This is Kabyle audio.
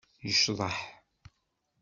Yecḍeḥ.